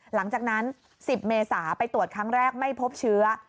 หลังจากนั้น๑๐เมษาไปตรวจครั้งแรกไม่พบเชื้อ